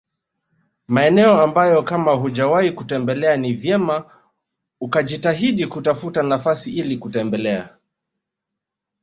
Maeneo ambayo kama hujawahi kutembelea ni vyema ukajitahidi kutafuta nafasi ili kutembelea